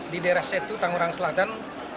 di daerah setu tangerang selatan